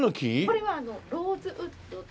これはローズウッドって。